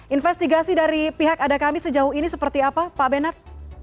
investigasi dari pihak ada kami sejauh ini seperti apa pak bernard